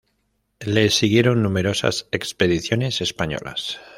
Le siguieron numerosas expediciones españolas.